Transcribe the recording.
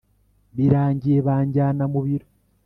Birangiye banjyana mu biro,